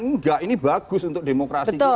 enggak ini bagus untuk demokrasi juga